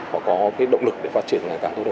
và có cái động lực để phát triển ngày càng tốt hơn